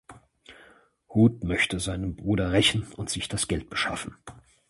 Hud möchte seinen Bruder rächen und sich das Geld beschaffen.